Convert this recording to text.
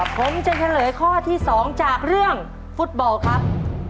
ผมจะเฉลยข้อที่๒จากเรื่องฟุตบอลครับ